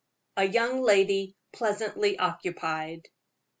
A YOUNG LADY PLEASANTLY OCCUPIED.